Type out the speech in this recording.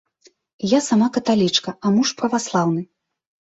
Я сама каталічка, а муж праваслаўны.